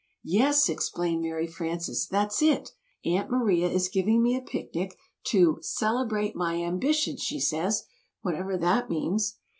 "Yes!" explained Mary Frances, "that's it! Aunt Maria is giving me a picnic to 'celebrate my ambition,' she says whatever that means.